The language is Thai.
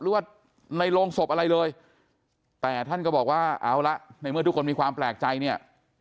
หรือว่าในโรงศพอะไรเลยแต่ท่านก็บอกว่าเอาละในเมื่อทุกคนมีความแปลกใจเนี่ย